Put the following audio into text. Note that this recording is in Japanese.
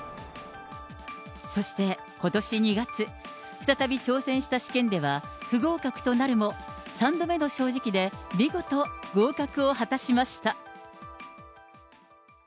そして、ことし２月、再び挑戦した試験では、不合格となるも、３度目の正直で見事合格を果たしました。